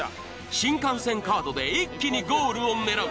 新幹線カードで一気にゴールを狙う。